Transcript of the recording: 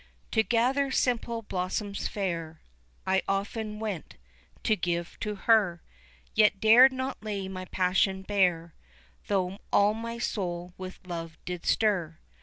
To gather simple blossoms fair I often went to give to her, Yet dared not lay my passion bare Though all my soul with love did stir.